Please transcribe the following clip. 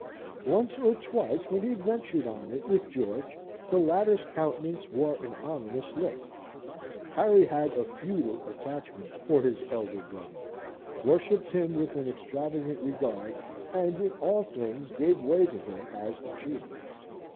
Once or twice when he ventured on it with George, the latter's countenance wore an ominous look. Harry had a feudal attachment for his elder brother, worshipped him with an extravagant regard, and in all things gave way to him as the chief.